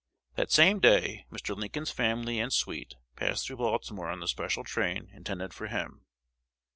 That same day Mr. Lincoln's family and suite passed through Baltimore on the special train intended for him.